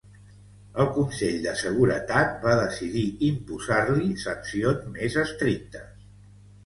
El Consell de Seguretat va decidir imposar-li sancions més estrictes.